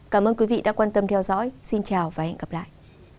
cảm ơn các bạn đã theo dõi xin chào và hẹn gặp lại